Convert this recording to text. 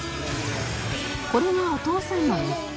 これがお父さんの日課